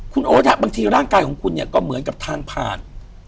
คุณโอ๊ตบางทีร่างกายของคุณเนี่ยก็เหมือนกับทางผ่าน